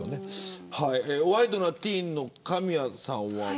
ワイドナティーンの神谷さんは。